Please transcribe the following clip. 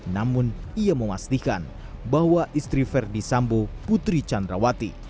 namun ia memastikan bahwa istri verdi sambo putri candrawati